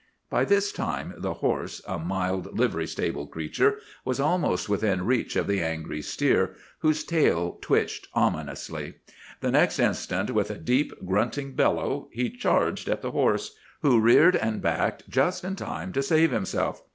"By this time the horse, a mild livery stable creature, was almost within reach of the angry steer, whose tail twitched ominously. The next instant, with a deep, grunting bellow, he charged at the horse, who reared and backed just in time to save himself.